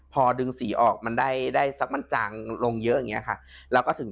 พอดึงสีออกมันได้ได้สักมันจางลงเยอะอย่างนี้ค่ะแล้วก็ถึง